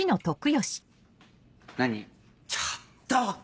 ちょっと！